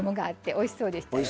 おいしそうですね。